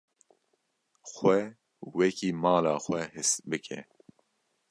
Xwe wekî li mala xwe his bike.